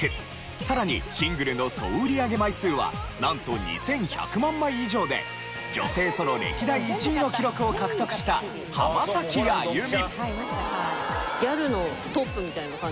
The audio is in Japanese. さらにシングルの総売上枚数はなんと２１００万枚以上で女性ソロ歴代１位の記録を獲得した浜崎あゆみ。